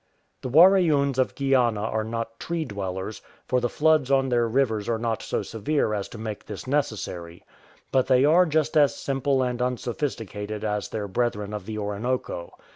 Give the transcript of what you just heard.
The Waraoons of Guiana are not tree dwellers, for the floods on their rivers are not so severe as to make this necessary. But they are just as simple and unsophisticated as their brethren of the Orinoco.